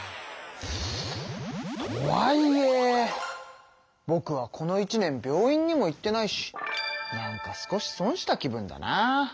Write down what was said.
とはいえぼくはこの一年病院にも行ってないしなんか少し損した気分だなあ。